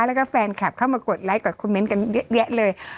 แล้วก็แฟนคลับเข้ามากดไลคดคอมเมนต์กันเยอะแยะเลย